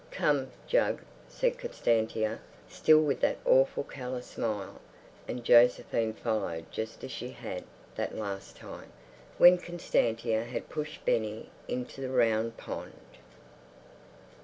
"Come, Jug," said Constantia, still with that awful callous smile, and Josephine followed just as she had that last time, when Constantia had pushed Benny into the round pond.